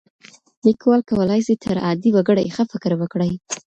ليکوال کولای سي تر عادي وګړي ښه فکر وکړي.